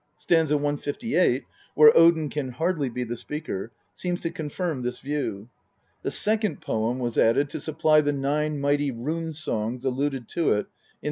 St. 158, where Odin can hardly be the speaker, seems to confirm this view. The second poem was added to supply the " nine mighty rune songs " alluded to in st.